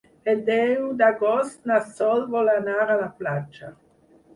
El deu d'agost na Sol vol anar a la platja.